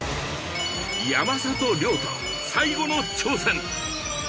山里亮太最後の挑戦